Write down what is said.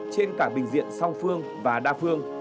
trên cả bình diện song phương và đa phương